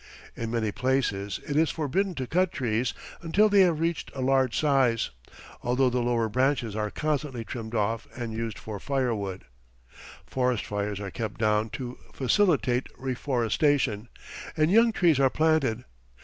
In many places it is forbidden to cut trees until they have reached a large size, although the lower branches are constantly trimmed off and used for firewood. Forest fires are kept down to facilitate reforestation, and young trees are planted.